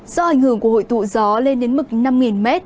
do ảnh hưởng của hội tụ gió lên đến mực năm m